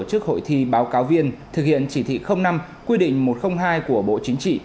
tổ chức hội thi báo cáo viên thực hiện chỉ thị năm quy định một trăm linh hai của bộ chính trị